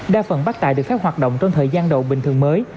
đa phần bắt tài được phép hoạt động trong thời gian đầu bình thường mới